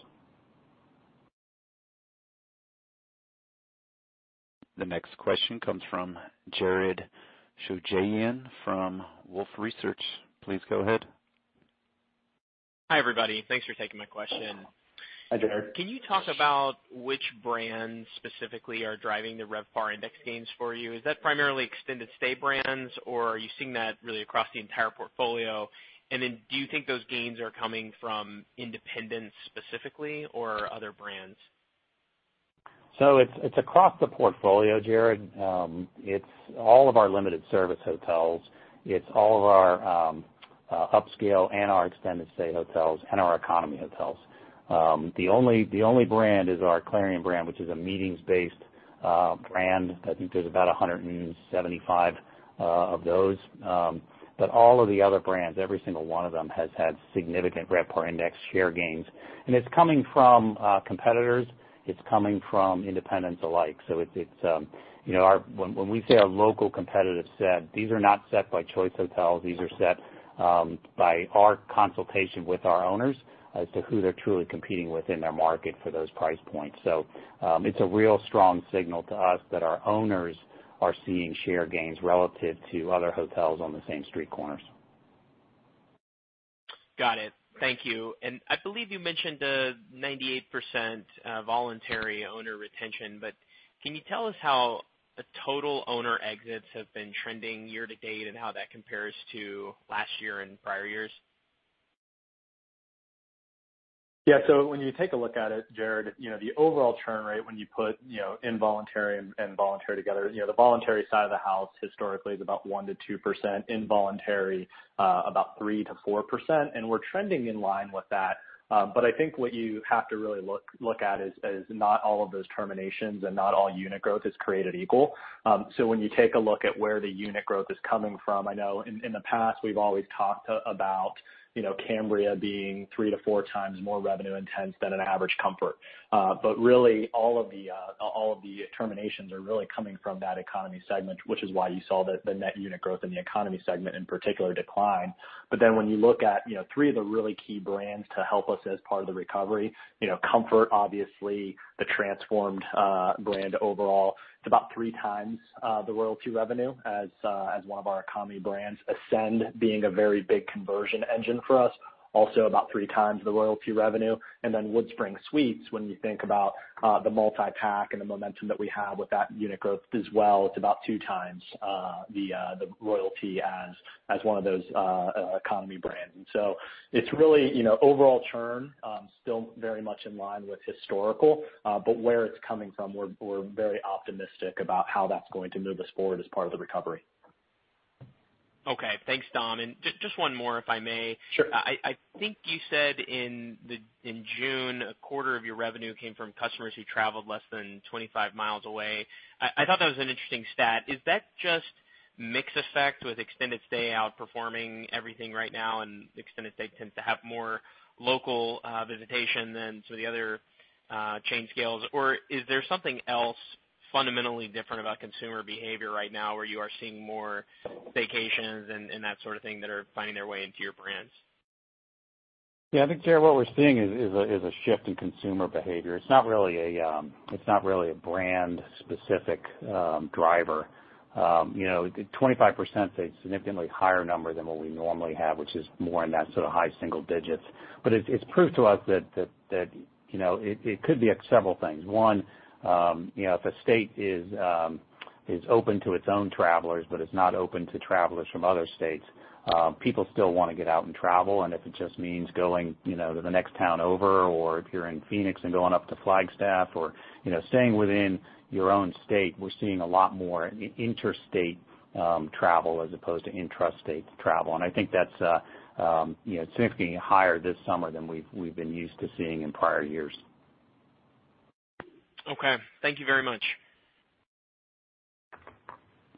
The next question comes from Jared Shojaian from Wolfe Research. Please go ahead. Hi, everybody. Thanks for taking my question. Hi, Jared. Can you talk about which brands specifically are driving the RevPAR index gains for you? Is that primarily extended stay brands, or are you seeing that really across the entire portfolio? And then do you think those gains are coming from independents specifically or other brands? So it's across the portfolio, Jared. It's all of our limited service hotels. It's all of our upscale and our extended stay hotels and our economy hotels. The only brand is our Clarion brand, which is a meetings-based brand. I think there's about 175 of those. But all of the other brands, every single one of them, has had significant RevPAR index share gains. And it's coming from competitors, it's coming from independents alike. So it's our, when we say our local competitive set, these are not set by Choice Hotels. These are set by our consultation with our owners as to who they're truly competing with in their market for those price points. So, it's a real strong signal to us that our owners are seeing share gains relative to other hotels on the same street corners. Got it. Thank you. I believe you mentioned 98% voluntary owner retention, but can you tell us how the total owner exits have been trending year to date, and how that compares to last year and prior years? Yeah. So when you take a look at it, Jared, you know, the overall churn rate, when you put, you know, involuntary and, and voluntary together, you know, the voluntary side of the house historically is about 1%-2%, involuntary, about 3%-4%, and we're trending in line with that. But I think what you have to really look at is not all of those terminations and not all unit growth is created equal. So when you take a look at where the unit growth is coming from, I know in, in the past, we've always talked about, you know, Cambria being 3x-4x more revenue intense than an average Comfort. But really, all of the terminations are really coming from that economy segment, which is why you saw the net unit growth in the economy segment, in particular, decline. But then when you look at, you know, three of the really key brands to help us as part of the recovery, you know, Comfort, obviously the transformed brand overall. It's about 3x the royalty revenue as one of our economy brands. Ascend being a very big conversion engine for us, also about 3x the royalty revenue. And then WoodSpring Suites, when you think about the multi-pack and the momentum that we have with that unit growth as well, it's about 2x the royalty as one of those economy brands. So it's really, you know, overall churn still very much in line with historical, but where it's coming from, we're very optimistic about how that's going to move us forward as part of the recovery. Okay. Thanks, Dom. And just, just one more, if I may. Sure. I think you said in June, a quarter of your revenue came from customers who traveled less than 25 miles away. I thought that was an interesting stat. Is that just mix effect with extended stay outperforming everything right now, and extended stay tends to have more local visitation than some of the other chain scales? Or is there something else fundamentally different about consumer behavior right now, where you are seeing more vacations and that sort of thing that are finding their way into your brands? Yeah, I think, Jared, what we're seeing is a shift in consumer behavior. It's not really a brand-specific driver. You know, 25% is a significantly higher number than what we normally have, which is more in that sort of high single digits. But it's proof to us that, you know, it could be several things. One, you know, if a state is open to its own travelers, but is not open to travelers from other states, people still wanna get out and travel. And if it just means going, you know, to the next town over, or if you're in Phoenix and going up to Flagstaff or, you know, staying within your own state, we're seeing a lot more interstate travel as opposed to intrastate travel. I think that's, you know, significantly higher this summer than we've, we've been used to seeing in prior years. Okay. Thank you very much.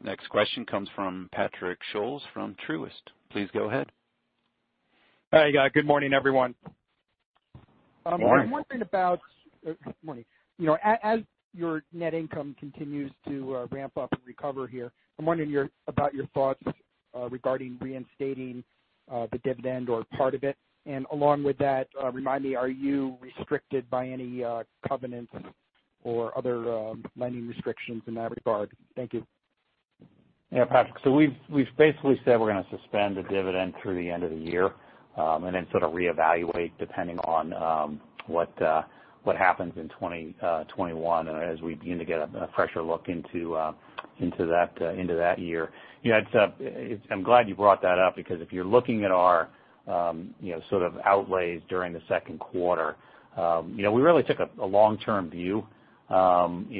Next question comes from Patrick Scholes from Truist. Please go ahead. Hi, guys. Good morning, everyone. Good morning. I'm wondering about... good morning. You know, as your net income continues to ramp up and recover here, I'm wondering about your thoughts regarding reinstating the dividend or part of it. And along with that, remind me, are you restricted by any covenants or other lending restrictions in that regard? Thank you. Yeah, Patrick, so we've basically said we're gonna suspend the dividend through the end of the year, and then sort of reevaluate, depending on what happens in 2021, as we begin to get a fresher look into that year. You know, it's. I'm glad you brought that up, because if you're looking at our, you know, sort of outlays during the second quarter, you know, we really took a long-term view. You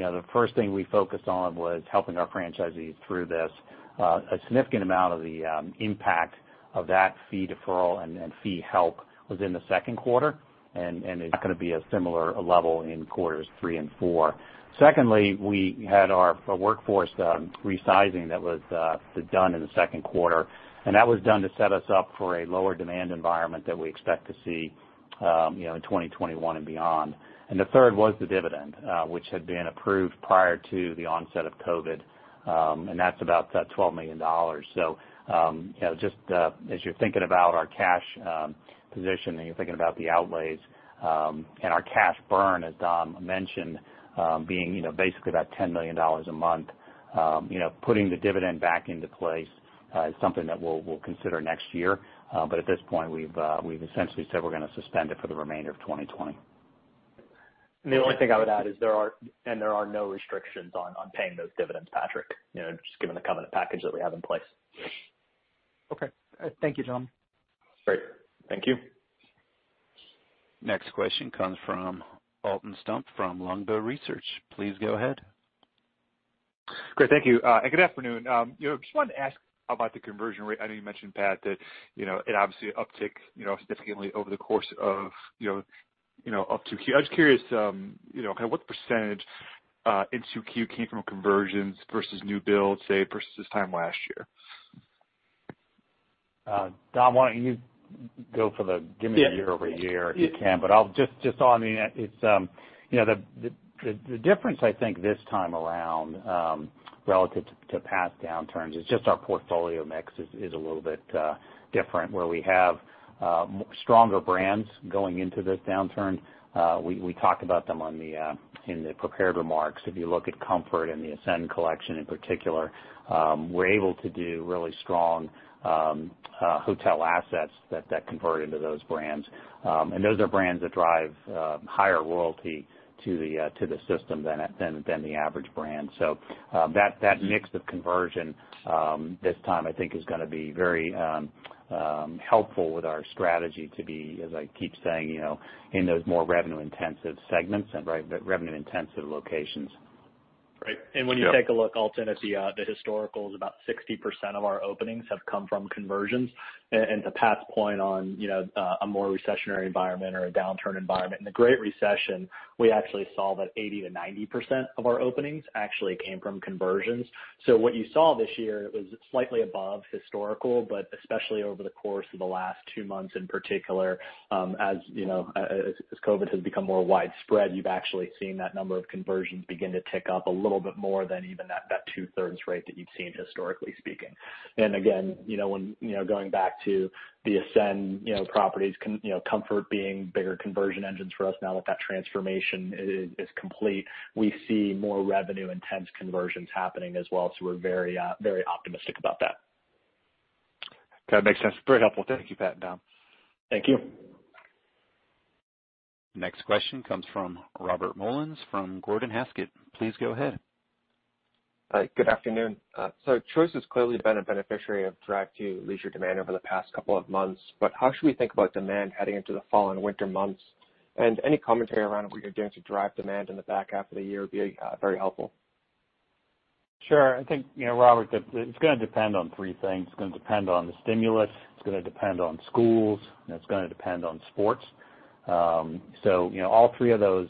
know, the first thing we focused on was helping our franchisees through this. A significant amount of the impact of that fee deferral and fee help was in the second quarter, and it's gonna be a similar level in quarters three and four. Secondly, we had our workforce resizing that was done in the second quarter, and that was done to set us up for a lower demand environment that we expect to see, you know, in 2021 and beyond. And the third was the dividend, which had been approved prior to the onset of COVID. And that's about that $12 million. So, you know, just as you're thinking about our cash position, and you're thinking about the outlays, and our cash burn, as Dom mentioned, being, you know, basically about $10 million a month, you know, putting the dividend back into place is something that we'll consider next year. But at this point, we've essentially said we're gonna suspend it for the remainder of 2020. The only thing I would add is there are no restrictions on paying those dividends, Patrick, you know, just given the covenant package that we have in place. Okay. Thank you, Dom. Great. Thank you. Next question comes from Alton Stump from Longbow Research. Please go ahead. Great. Thank you, and good afternoon. You know, I just wanted to ask about the conversion rate. I know you mentioned, Pat, that, you know, it obviously uptick, you know, significantly over the course of, you know, you know, up to Q2. I was just curious, you know, kind of what percentage in Q2 came from conversions versus new builds, say, versus this time last year? Dom, why don't you go for the- Yeah. Give me the year-over-year, if you can. But I'll just, just on the, it's, you know, the, the, the difference I think this time around, relative to, to past downturns is just our portfolio mix is, is a little bit, different, where we have, stronger brands going into this downturn. We, we talked about them on the, in the prepared remarks. If you look at Comfort and the Ascend Collection in particular, we're able to do really strong, hotel assets that, that convert into those brands. And those are brands that drive, higher loyalty to the, to the system than at, than, than the average brand. So, that mix of conversion this time I think is gonna be very helpful with our strategy to be, as I keep saying, you know, in those more revenue-intensive segments and revenue-intensive locations. Right. Yeah. And when you take a look, Alton, at the historicals, about 60% of our openings have come from conversions. And to Pat's point on, you know, a more recessionary environment or a downturn environment, in the Great Recession, we actually saw that 80%-90% of our openings actually came from conversions. So what you saw this year was slightly above historical, but especially over the course of the last two months, in particular, as you know, as COVID has become more widespread, you've actually seen that number of conversions begin to tick up a little bit more than even that two-thirds rate that you've seen, historically speaking. Again, you know, when, you know, going back to the Ascend, you know, properties, you know, Comfort being bigger conversion engines for us now that that transformation is complete, we see more revenue-intense conversions happening as well, so we're very, very optimistic about that. Okay. Makes sense. Very helpful. Thank you. Thank you, Pat and Dom. Thank you. Next question comes from Robert Mollins from Gordon Haskett. Please go ahead. Hi, good afternoon. So Choice has clearly been a beneficiary of drive-to leisure demand over the past couple of months, but how should we think about demand heading into the fall and winter months? And any commentary around what you're doing to drive demand in the back half of the year would be very helpful. Sure. I think, you know, Robert, that it's gonna depend on three things. It's gonna depend on the stimulus, it's gonna depend on schools, and it's gonna depend on sports. So, you know, all three of those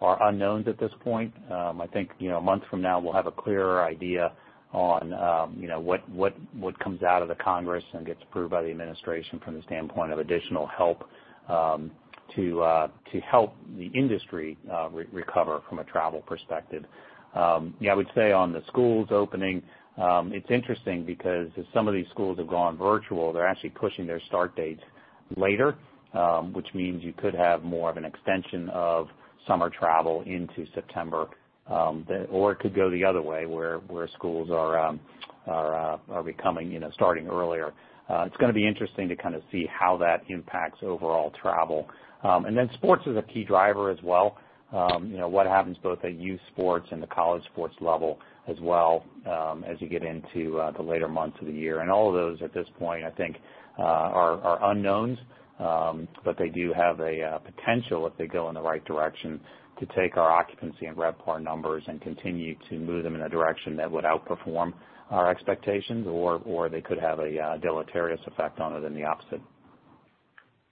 are unknowns at this point. I think, you know, a month from now, we'll have a clearer idea on, you know, what comes out of the Congress and gets approved by the administration from the standpoint of additional help to to help the industry recover from a travel perspective. Yeah, I would say on the schools opening, it's interesting because as some of these schools have gone virtual, they're actually pushing their start dates later, which means you could have more of an extension of summer travel into September than... Or it could go the other way, where schools are becoming, you know, starting earlier. It's gonna be interesting to kind of see how that impacts overall travel. And then sports is a key driver as well. You know, what happens both at youth sports and the college sports level as well, as you get into the later months of the year. And all of those, at this point, I think, are unknowns. But they do have a potential if they go in the right direction, to take our occupancy and RevPAR numbers and continue to move them in a direction that would outperform our expectations, or they could have a deleterious effect on it than the opposite.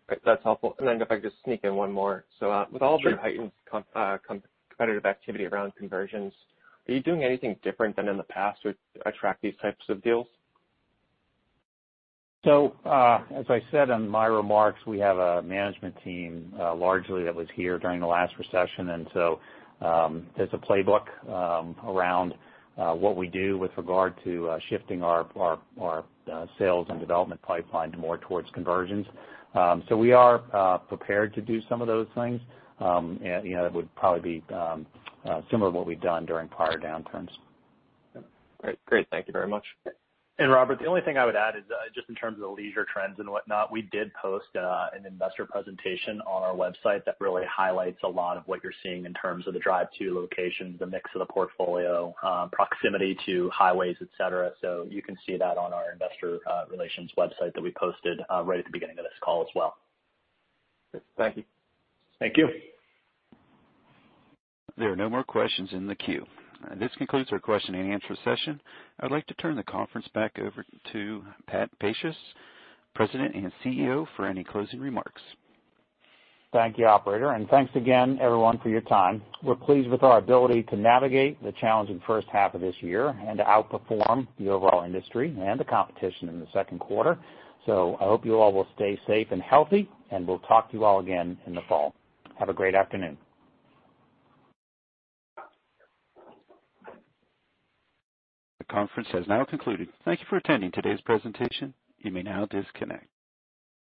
Great. That's helpful. And then if I could just sneak in one more. Sure. With all the heightened competitive activity around conversions, are you doing anything different than in the past to attract these types of deals? So, as I said in my remarks, we have a management team largely that was here during the last recession, and so there's a playbook around what we do with regard to shifting our sales and development pipeline more towards conversions. So we are prepared to do some of those things. And, you know, that would probably be similar to what we've done during prior downturns. Great. Great, thank you very much. And Robert, the only thing I would add is, just in terms of the leisure trends and whatnot, we did post, an investor presentation on our website that really highlights a lot of what you're seeing in terms of the drive-to locations, the mix of the portfolio, proximity to highways, et cetera. So you can see that on our investor relations website that we posted, right at the beginning of this call as well. Thank you. Thank you. There are no more questions in the queue. This concludes our question and answer session. I'd like to turn the conference back over to Pat Pacious, President and CEO, for any closing remarks. Thank you, operator, and thanks again, everyone, for your time. We're pleased with our ability to navigate the challenging first half of this year and to outperform the overall industry and the competition in the second quarter. So I hope you all will stay safe and healthy, and we'll talk to you all again in the fall. Have a great afternoon. The conference has now concluded. Thank you for attending today's presentation. You may now disconnect.